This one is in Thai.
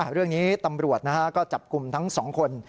เรื่องนี้ตำรวจก็จับกลุ่มทั้ง๒คน